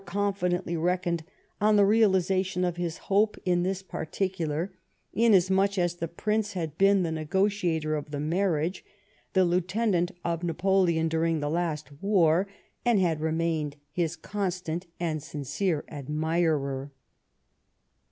87 confidently reckoned on the realisation of his hope in this particular, inasmucli as the Prince had been the negotiator •of the marriage ; the lieutenant of Napoleon during the last war ; and had remained his constant and sincere admirer.